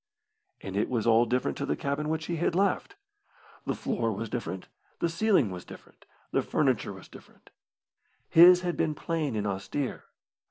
And it was all different to the cabin which he had left. The floor was different, the ceiling was different, the furniture was different. His had been plain and austere.